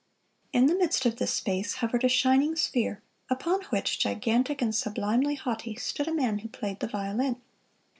In the midst of this space hovered a shining sphere, upon which, gigantic and sublimely haughty, stood a man who played the violin.